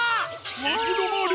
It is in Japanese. いきどまり！